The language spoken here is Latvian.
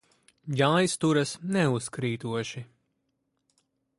Jāizturas neuzkrītoši.